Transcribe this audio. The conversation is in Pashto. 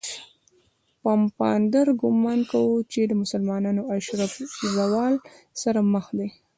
پفاندر ګومان کاوه چې د مسلمانانو اشراف زوال سره مخ دي.